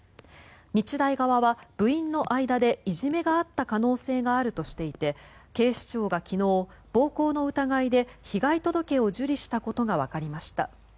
日大側は部員の間でいじめがあった可能性があるとしていて警視庁が昨日、暴行の疑いで被害届を受理したことがわかりました。